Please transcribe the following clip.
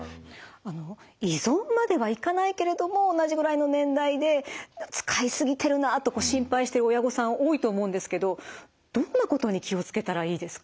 あの依存まではいかないけれども同じぐらいの年代で使い過ぎてるなと心配している親御さん多いと思うんですけどどんなことに気を付けたらいいですか？